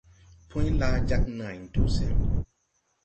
Pũy laa jāg nãy tu sen.